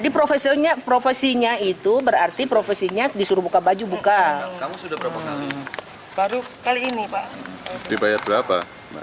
profesinya itu berarti profesinya disuruh buka baju buka